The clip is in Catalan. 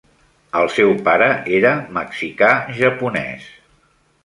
El seu pare era mexicà japonès.